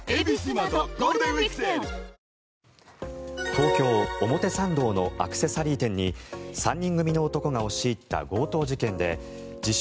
東京・表参道のアクセサリー店に３人組の男が押し入った強盗事件で自称・